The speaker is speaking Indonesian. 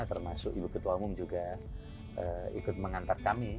termasuk ibu ketua umum juga ikut mengantar kami